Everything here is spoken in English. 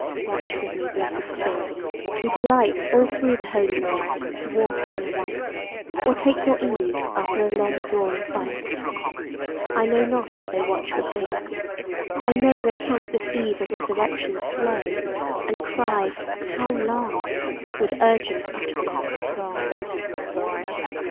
Watch with me, blessed spirits, who delight All through the holy night to walk in white, Or take your ease after the long drawn fight. I know not if they watch with me: I know They count this eve of resurrection slow, And cry, "How long?" with urgent utterance strong.